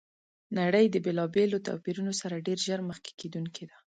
نړۍ د بېلابېلو توپیرونو سره ډېر ژر مخ کېدونکي ده!